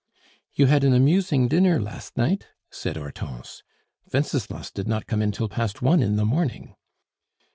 "You had an amusing dinner last night?" said Hortense. "Wenceslas did not come in till past one in the morning."